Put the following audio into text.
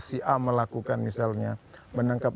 si a melakukan misalnya menangkap